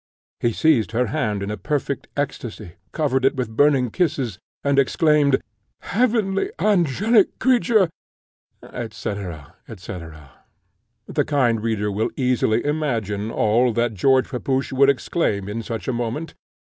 He seized her hand in a perfect ecstasy, covered it with burning kisses, and exclaimed, "Heavenly, angelic creature!" &c. &c. &c. The kind reader will easily imagine all that George Pepusch would exclaim in a such a moment.